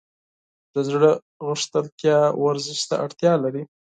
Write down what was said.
د زړه غښتلتیا ورزش ته اړتیا لري.